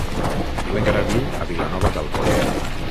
Diuen que ara viu a Vilanova d'Alcolea.